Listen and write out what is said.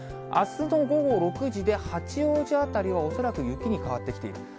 あすの午後６時で八王子辺りは恐らく雪に変わってきている。